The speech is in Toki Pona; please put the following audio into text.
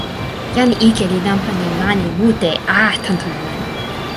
jan ike li lanpan e mani mute a tan tomo mani.